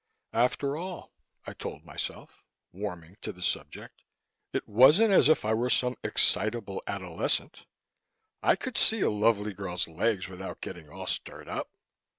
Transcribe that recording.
After all, I told myself, warming to the subject, it wasn't as if I were some excitable adolescent. I could see a lovely girl's legs without getting all stirred up.